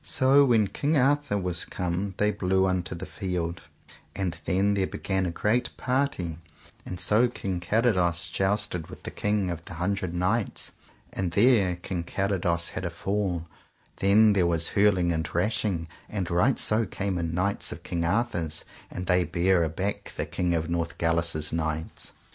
So when King Arthur was come they blew unto the field; and then there began a great party, and so King Carados jousted with the King of the Hundred Knights, and there King Carados had a fall: then was there hurling and rushing, and right so came in knights of King Arthur's, and they bare aback the King of Northgalis' knights.